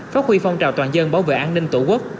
phát huy phong trào toàn dân bảo vệ an ninh tổ quốc